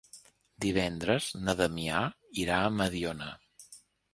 Divendres na Damià irà a Mediona.